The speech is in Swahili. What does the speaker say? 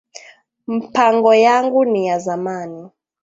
Mpango yangu ni ya zamani